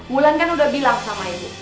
bu ulan kan udah bilang sama ibu